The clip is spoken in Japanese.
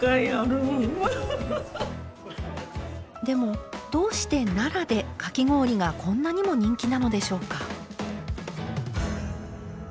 でもどうして奈良でかき氷がこんなにも人気なのでしょうか？